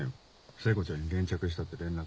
聖子ちゃんに現着したって連絡。